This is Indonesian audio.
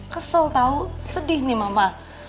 kesel tahu sedih nih mama